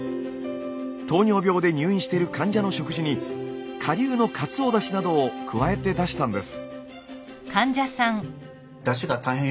糖尿病で入院している患者の食事に顆粒のかつおだしなどを加えて出したんです。